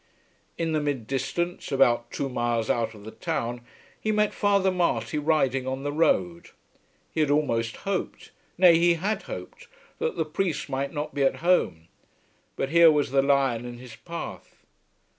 In the mid distance about two miles out of the town he met Father Marty riding on the road. He had almost hoped, nay, he had hoped, that the priest might not be at home. But here was the lion in his path.